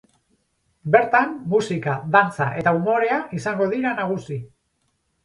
Bertan, musika, dantza eta umorea izango dira nagusi.